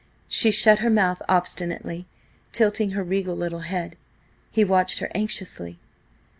She shut her mouth obstinately, tilting her regal little head. He watched her anxiously.